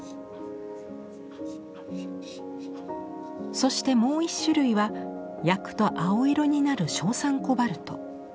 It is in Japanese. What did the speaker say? そしてもう１種類は焼くと青色になる硝酸コバルト。